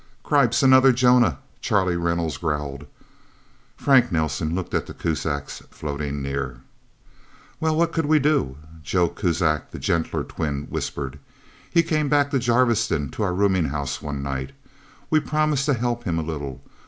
"Cripes another Jonah!" Charlie Reynolds growled. Frank Nelsen looked at the Kuzaks, floating near. "Well what could we do?" Joe Kuzak, the gentler twin, whispered. "He came back to Jarviston, to our rooming house, one night. We promised to help him a little.